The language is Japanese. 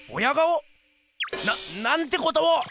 ⁉なっなんてことを！